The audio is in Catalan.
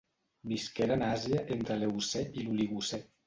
Visqueren a Àsia entre l'Eocè i l'Oligocè.